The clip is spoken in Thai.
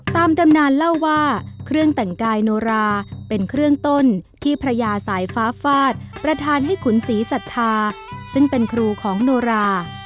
ตำนานเล่าว่าเครื่องแต่งกายโนราเป็นเครื่องต้นที่พระยาสายฟ้าฟาดประธานให้ขุนศรีศรัทธาซึ่งเป็นครูของโนรา